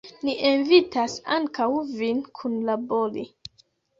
Ni invitas ankaŭ vin kunlabori!